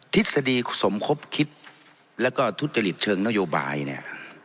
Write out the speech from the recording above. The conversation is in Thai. ทฤษฎีสมคบคิดแล้วก็ทุจริตเชิงนโยบายเนี่ย